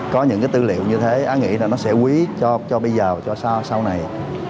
có những cái tư liệu như thế á nghĩ là nó sẽ quý cho bây giờ cho sau này